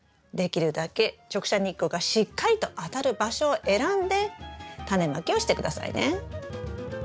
できるだけ直射日光がしっかりと当たる場所を選んでタネまきをして下さいね。